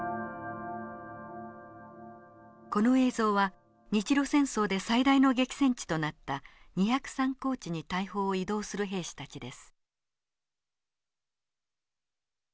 この映像は日露戦争で最大の激戦地となった２０３高地に大砲を移動する兵士たちです。